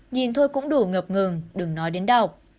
nhìn thôi cũng đủ ngập ngừng đừng nói đến đọc